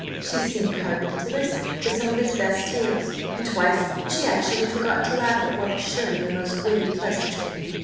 She seemed hardly to listen to some of his best tales, and twice she actually forgot to laugh at what was surely a most witty pleasantry.